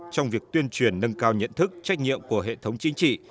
trong việc tuyên truyền nâng cao nhận thức trách nhiệm của hệ thống chính trị